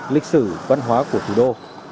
lịch sử văn hóa của thủ đô